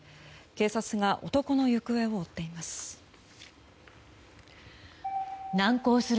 警察が男の行方を追っています。